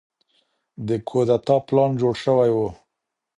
د کودتا پلان جوړ شوی و.